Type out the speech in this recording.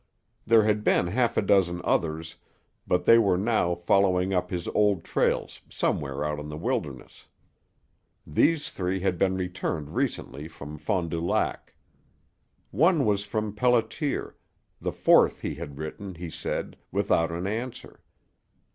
There had been half a dozen others, but they were now following up his old trails somewhere out in the wilderness. These three had been returned recently from Fond du Lac. One was from Pelliter, the fourth he had written, he said, without an answer.